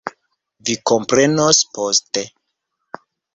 Vi komprenos poste.